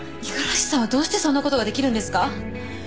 五十嵐さんはどうしてそんなことができるんですか？